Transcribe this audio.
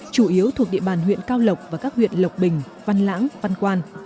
chủ yếu thuộc địa bàn huyện cao lộc và các huyện lộc bình văn lãng văn quan